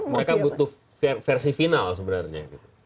mereka butuh versi final sebenarnya